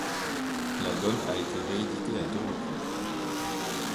L'album a été réédité à deux reprises.